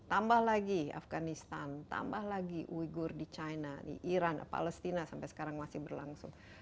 tambah lagi afganistan tambah lagi uyghur di china di iran palestina sampai sekarang masih berlangsung